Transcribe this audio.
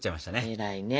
偉いね。